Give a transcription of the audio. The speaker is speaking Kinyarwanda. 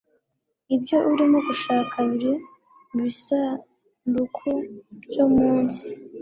ibyo urimo gushaka biri mubisanduku byo munsi